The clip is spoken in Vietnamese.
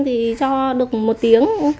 thì cho được một tiếng